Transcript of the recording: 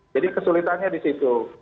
jadi kesulitannya di situ